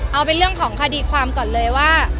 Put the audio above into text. เอาเป็นเรื่องของคดีความก่อนเลยว่า